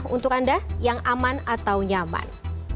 untuk anda yang aman atau nyaman